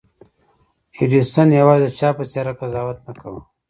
ايډېسن يوازې د چا په څېره قضاوت نه کاوه.